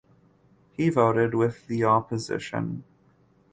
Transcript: He voted with the Opposition.